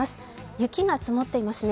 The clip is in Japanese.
雪が積もっていますね。